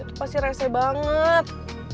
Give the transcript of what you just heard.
dia tuh pasti rese banget